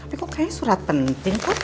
tapi kok kayaknya surat penting kok